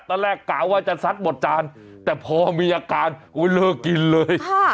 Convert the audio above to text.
กล่าว่าจะซัดหมดจานแต่พอมีอาการเลิกกินเลย